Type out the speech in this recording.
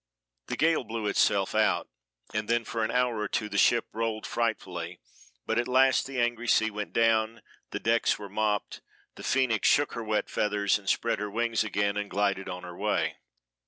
The gale blew itself out, and then for an hour or two the ship rolled frightfully; but at last the angry sea went down, the decks were mopped, the Phoenix shook her wet feathers and spread her wings again and glided on her way.